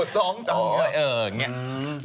กลัวน้องต่อเอออย่างนี้